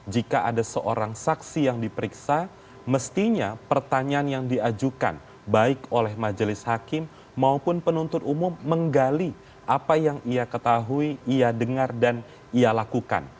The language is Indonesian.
jika ada seorang saksi yang diperiksa mestinya pertanyaan yang diajukan baik oleh majelis hakim maupun penuntut umum menggali apa yang ia ketahui ia dengar dan ia lakukan